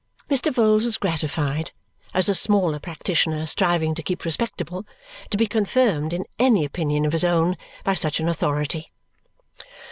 Mr. Vholes was gratified, as a smaller practitioner striving to keep respectable, to be confirmed in any opinion of his own by such an authority.